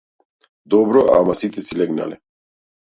Добро ама сите си легнале.